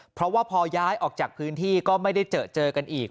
เพราะว่าพอย้ายออกจากพื้นที่ก็ไม่ได้เจอเจอกันอีก